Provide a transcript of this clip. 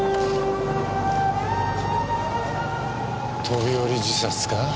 飛び降り自殺か？